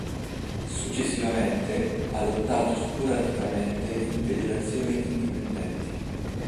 Successivamente, ha lottato sporadicamente in federazioni indipendenti.